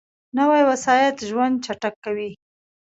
نوې وسایط ژوند چټک کوي